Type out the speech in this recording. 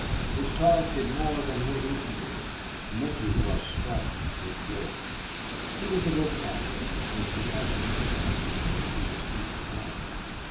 His talk did more than he had even dreamed. Micky was struck with guilt. He was a good Catholic, and confession was necessary to his peace of mind.